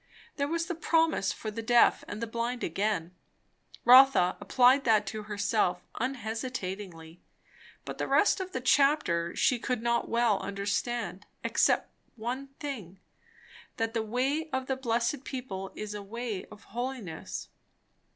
There was the promise for the deaf and the blind again; Rotha applied that to herself unhesitatingly; but the rest of the chapter she could not well understand. Except one thing; that the way of the blessed people is a "way of holiness."